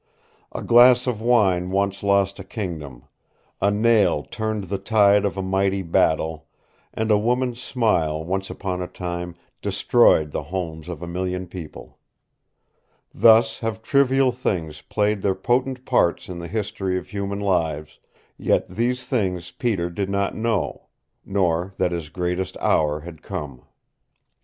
A glass of wine once lost a kingdom, a nail turned the tide of a mighty battle, and a woman's smile once upon a time destroyed the homes of a million people. Thus have trivial things played their potent parts in the history of human lives, yet these things Peter did not know nor that his greatest hour had come.